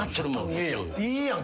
いいやん。